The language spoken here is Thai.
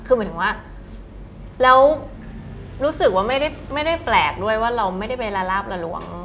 คือหมายถึงว่าแล้วรู้สึกว่าไม่ได้แปลกด้วยว่าเราไม่ได้ไปละลาบละหลวง